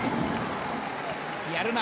やるな。